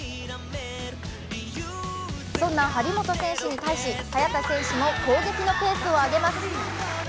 そんな張本選手に対し早田選手も攻撃のペースを上げます。